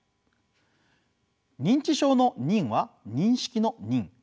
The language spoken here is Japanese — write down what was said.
認知症の認は認識の認。